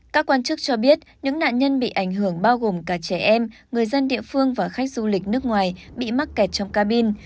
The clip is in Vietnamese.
các quan chức cho biết những nạn nhân bị ảnh hưởng bao gồm cả trẻ em người dân địa phương và khách du lịch nước ngoài bị mắc kẹt trong cabin